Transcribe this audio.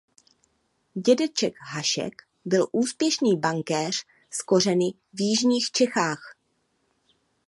Dědeček Hašek byl úspěšný bankéř s kořeny v jižních Čechách.